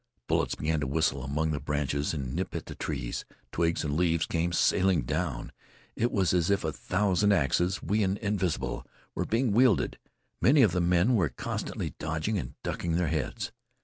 Bullets began to whistle among the branches and nip at the trees. Twigs and leaves came sailing down. It was as if a thousand axes, wee and invisible, were being wielded. Many of the men were constantly dodging and ducking their heads.